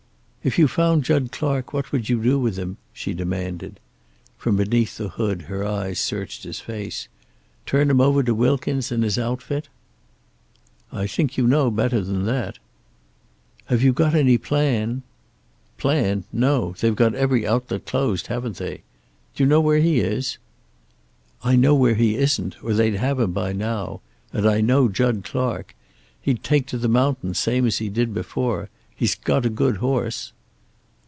"If you found Jud Clark, what would you do with him?" she demanded. From beneath the hood her eyes searched his face. "Turn him over to Wilkins and his outfit?" "I think you know better than that." "Have you got any plan?" "Plan? No. They've got every outlet closed, haven't they? Do you know where he is?" "I know where he isn't, or they'd have him by now. And I know Jud Clark. He'd take to the mountains, same as he did before. He's got a good horse."